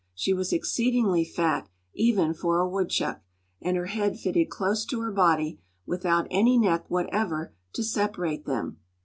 She was exceedingly fat, even for a woodchuck, and her head fitted close to her body, without any neck whatever to separate them.